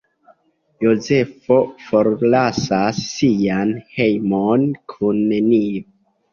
Jozefo forlasas sian hejmon kun nenio.